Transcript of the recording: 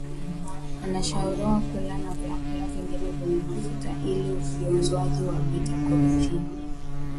unashauriwa kula na vyakula vingine vyenye mafuta ili ufyonzwaji wa bita karotini